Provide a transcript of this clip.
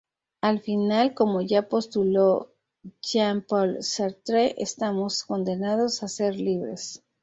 Al final, como ya postuló Jean-Paul Sartre, estamos condenados a ser libres.